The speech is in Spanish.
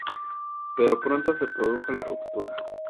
Pero pronto se produjo la ruptura.